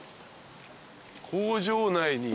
工場内に。